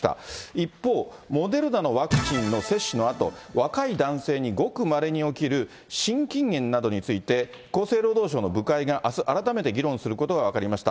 一方、モデルナのワクチンの接種のあと、若い男性にごくまれに起きる心筋炎などについて、厚生労働省の部会があす、改めて議論することが分かりました。